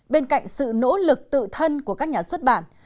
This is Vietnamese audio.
bên cạnh sự nỗ lực tự thân của các nhà xuất bản